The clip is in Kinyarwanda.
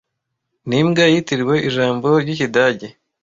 Nimbwa yitiriwe ijambo ry'ikidage